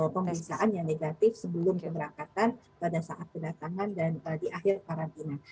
pemeriksaan yang negatif sebelum keberangkatan pada saat kedatangan dan di akhir karantina